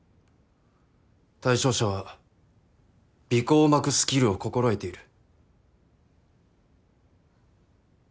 対象者は尾行をまくスキルを心得ている。